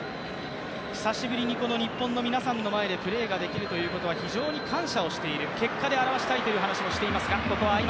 久しぶりに日本の皆さんの前でプレーができるということは非常に感謝をしている結果で表したいという話もしています。